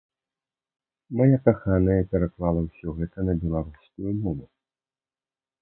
Мая каханая пераклала ўсё гэта на беларускую мову.